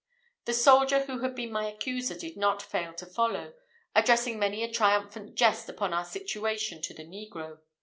The soldier who had been my accuser did not fail to follow, addressing many a triumphant jest upon our situation to the negro.